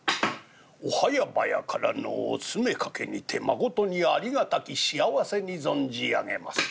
「お早々からのお詰めかけにてまことにありがたき幸せに存じ上げます。